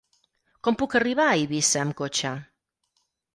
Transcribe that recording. Com puc arribar a Eivissa amb cotxe?